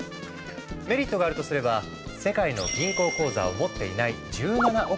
メリットがあるとすれば世界の銀行口座を持っていない１７億人もの人々。